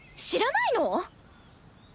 知らないの？